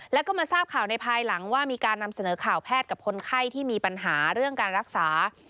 แล้วก็มาทราบข่าวในภายหลังว่ามีการนำเสนอข่าวแพทย์กับคนไข้ที่มีปัญหาเรื่องการรักษา